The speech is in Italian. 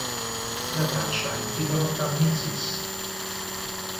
La traccia intitolata "Ms.